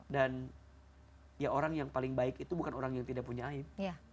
dan ya orang yang paling baik itu bukan orang yang tidak punya aib